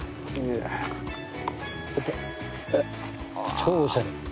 超おしゃれ。